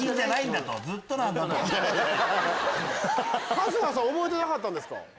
春日さん覚えてなかったんですか？